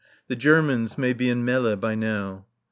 The Germans may be in Melle by now.